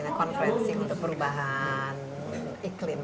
ada konferensi untuk perubahan iklim